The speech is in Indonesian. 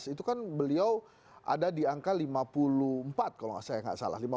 itu kan beliau ada di angka lima puluh empat kalau saya nggak salah